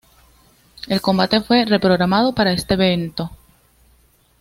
El combate fue reprogramado para este evento.